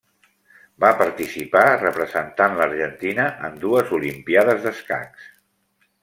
Va participar representant l'Argentina en dues Olimpíades d'escacs.